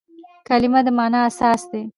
کلیمه د مانا اساس دئ.